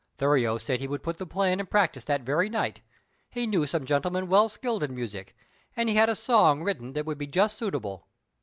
Thurio said he would put the plan in practice that very night; he knew some gentlemen well skilled in music, and he had a song written that would be just suitable.